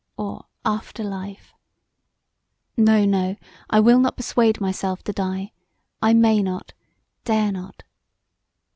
Or after life No, no, I will not persuade myself to die, I may not, dare not.